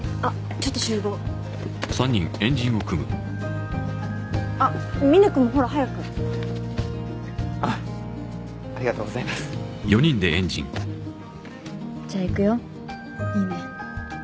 ちょっと集合あっみね君もほら早くあっありがとうございますじゃあいくよいいね？